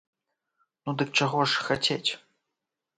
Ну, дык чаго ж хацець?